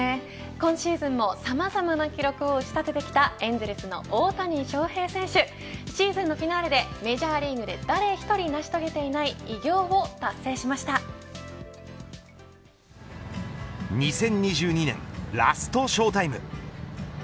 今シーズンも、さまざまな記録を打ち立ててきたエンゼルスの大谷翔平選手シーズンのフィナーレでメジャーリーグで誰１人成し遂げていない偉業を２０２２年ラストショータイム。